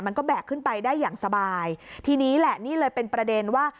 แบกขึ้นไปได้อย่างสบายทีนี้แหละนี่เลยเป็นประเด็นว่า